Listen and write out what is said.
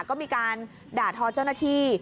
ก็มีการด่าทอเจ้าหน้าที่